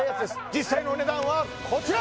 実際のお値段はこちら！